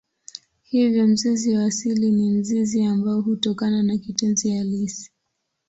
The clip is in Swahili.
Hivyo mzizi wa asili ni mzizi ambao hutokana na kitenzi halisi.